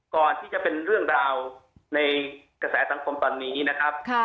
ก่อนที่จะเป็นเรื่องราวในกระแสสังคมตอนนี้นะครับ